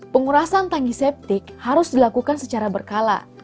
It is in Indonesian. pengurasan tanki septic harus dilakukan secara berkala